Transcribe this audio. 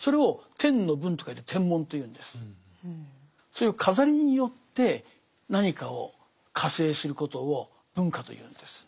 そういう飾りによって何かを化成することを文化というんです。